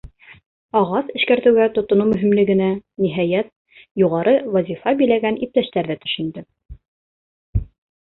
Ағас эшкәртеүгә тотоноу мөһимлегенә, ниһайәт, юғары вазифа биләгән иптәштәр ҙә төшөндө.